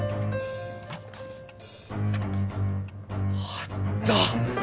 あった！